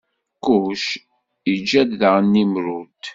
Kuc iǧǧa-d daɣen Nimrud.